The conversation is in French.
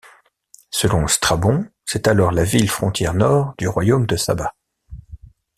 Selon Strabon, c'est alors la ville frontière nord du royaume de Saba.